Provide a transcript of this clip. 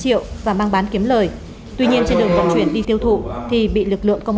triệu đồng gần hai mươi triệu đồng gần hai mươi triệu đồng